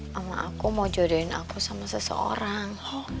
sama aku mau jodohin aku sama seseorang